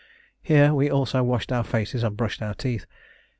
Here we also washed our faces and brushed our teeth.